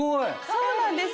そうなんです